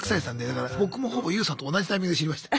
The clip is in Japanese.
だから僕もほぼＹＯＵさんと同じタイミングで知りました。